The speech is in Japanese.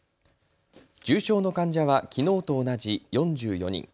重症の患者はきのうと同じ４４人。